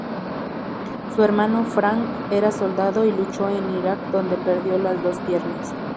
Su hermano Frank, era soldado y luchó en Irak donde perdió las dos piernas.